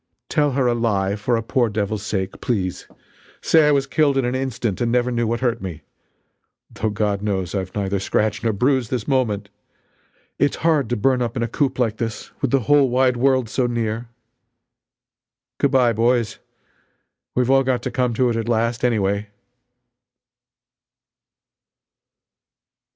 Tell her a lie for a poor devil's sake, please. Say I was killed in an instant and never knew what hurt me though God knows I've neither scratch nor bruise this moment! It's hard to burn up in a coop like this with the whole wide world so near. Good bye boys we've all got to come to it at last, anyway!"